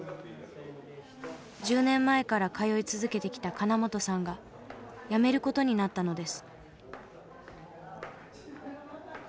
１０年前から通い続けてきた金本さんがやめる事になったのです。